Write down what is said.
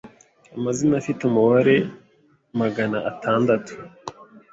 Amazina afite umubare magana atandatu